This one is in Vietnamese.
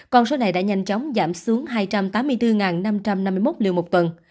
con số này đã nhanh chóng giảm xuống hai trăm tám mươi bốn năm trăm năm mươi một liều một tuần